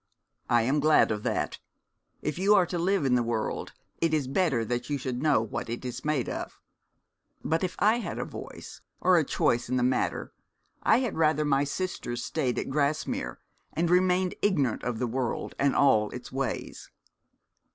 'I am glad of that. If you are to live in the world it is better that you should know what it is made of. But if I had a voice or a choice in the matter I had rather my sisters stayed at Grasmere, and remained ignorant of the world and all its ways.'